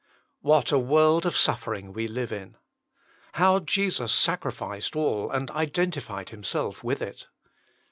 What a world of suffering we live in ! How Jesus sacrificed all and identified Himself with it